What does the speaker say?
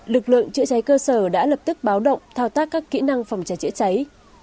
lực lượng chữa cháy cơ sở đã lập tức báo động thao tác các kỹ năng phòng cháy chữa cháy